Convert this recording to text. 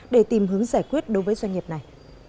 để tìm hướng giải quyết đối với doanh nghiệp này